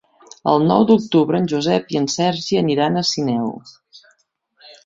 El nou d'octubre en Josep i en Sergi aniran a Sineu.